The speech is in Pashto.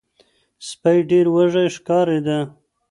سپی ډیر وږی ښکاریده.